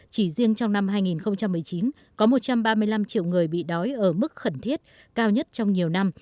chỉ riêng trong năm hai nghìn một mươi chín có một trăm ba mươi năm triệu người bị đói ở mức khẩn thiết cao nhất trong nhiều năm